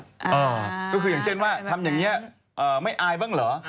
ก็คืออย่างเช่นว่าทำอย่างนี้ไม่อายบ้างเหรอ